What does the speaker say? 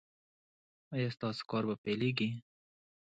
ایا ستاسو کار به پیلیږي؟